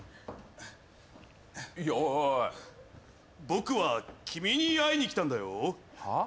僕は君に会いに来たんだよ。